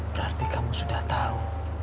berarti kamu sudah tahu